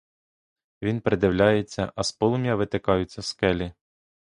Він придивляється, а з полум'я витикаються скелі.